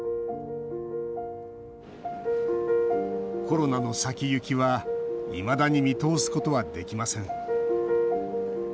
コロナの先行きはいまだに見通すことはできません。